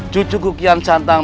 cucuku kian santang